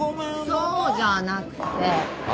そうじゃなくて。は？